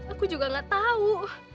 aku juga gak tau